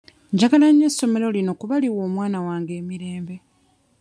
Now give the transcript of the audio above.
Njagala nnyo essomero lino kuba liwa omwana wange emirembe.